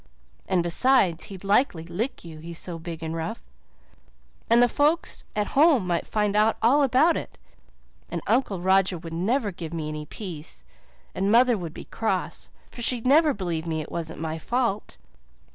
And besides, he'd likely lick you he's so big and rough. And the folks at home might find out all about it, and Uncle Roger would never give me any peace, and mother would be cross, for she'd never believe it wasn't my fault.